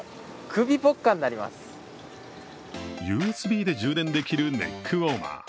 ＵＳＢで充電できるネックウォーマー。